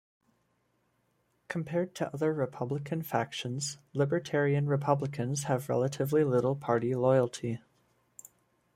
Compared to other Republican factions, libertarian Republicans have relatively little party loyalty.